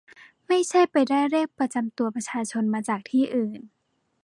ไม่ใช่ไปได้เลขประจำตัวประชาชนมาจากที่อื่น